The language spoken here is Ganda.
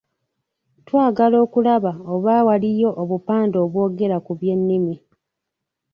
Twagala okulaba oba waliyo obupande obwogera ku by’ennimi.